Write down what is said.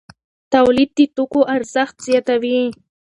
تولید د توکو ارزښت زیاتوي.